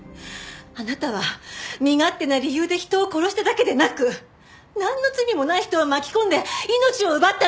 あなたは身勝手な理由で人を殺しただけでなくなんの罪もない人を巻き込んで命を奪ったのよ！